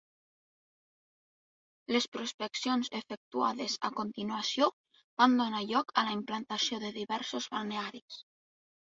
Les prospeccions efectuades a continuació van donar lloc a la implantació de diversos balnearis.